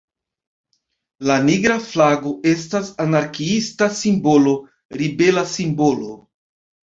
La Nigra Flago estas anarkiista simbolo, ribela simbolo.